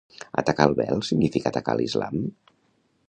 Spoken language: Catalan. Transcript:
Atacar el vel significa atacar l'islam?